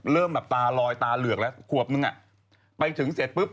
เริ่มแบบตาลอยตาเหลือกแล้วขวบนึงอ่ะไปถึงเสร็จปุ๊บ